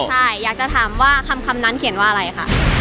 ใช่อยากจะถามว่าคำนั้นเขียนว่าอะไรค่ะ